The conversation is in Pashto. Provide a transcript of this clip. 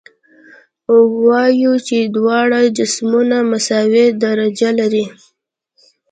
وایو چې دواړه جسمونه مساوي درجه لري.